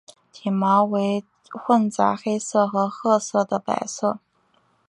体毛为混杂黑色和褐色的白色。